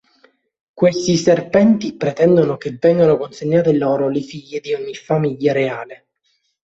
Questi serpenti pretendono che vengano consegnate loro le figlie di ogni famiglia reale.